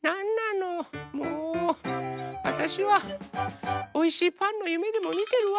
あたしはおいしいパンのゆめでもみてるわ。